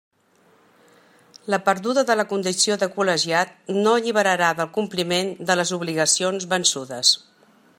La perduda de la condició de col·legiat no alliberarà del compliment de les obligacions vençudes.